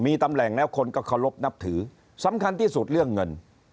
มีตำแหน่งแล้วคนก็เคารพนับถือสำคัญที่สุดเรื่องเงิน